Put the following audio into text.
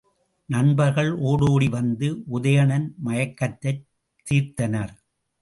நண்பர்கள் ஒடோடி வந்து உதயணன் மயக்கத்தைத் தீர்த்தனர்.